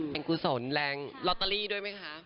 เป็นกุศลแรงลอตเตอรี่ด้วยไหมคะ